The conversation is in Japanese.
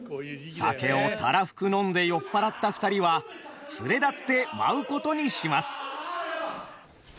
酒をたらふく飲んで酔っ払った二人は連れ立って舞うことにします。